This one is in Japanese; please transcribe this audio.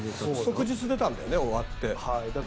即日出たんだよね終わって。